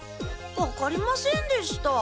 分かりませんでした。